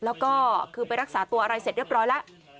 แล้วก็คือไปรักษาตัวอะไรเสร็จเรียบร้อยแล้ว